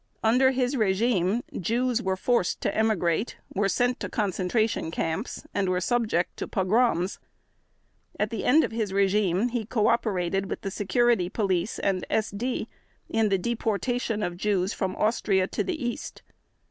Under his regime Jews were forced to emigrate, were sent to concentration camps, and were subject to pogroms. At the end of his regime he cooperated with the Security Police and SD in the deportation of Jews from Austria to the East.